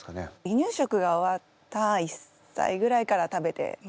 離乳食が終わった１歳ぐらいから食べてます。